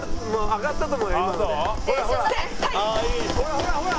ほらほらほら！